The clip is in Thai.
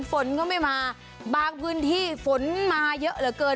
ฝนก็ไม่มาบางพื้นที่ฝนมาเยอะเหลือเกิน